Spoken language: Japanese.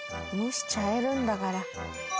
蒸しちゃえるんだから。